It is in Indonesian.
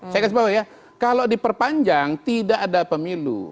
saya kasih bawah ya kalau diperpanjang tidak ada pemilu